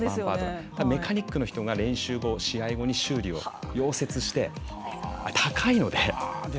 メカニックの人が試合後に修理、溶接をして高いので。